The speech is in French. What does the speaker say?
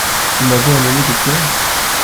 Vous m'avez amené des fleurs ?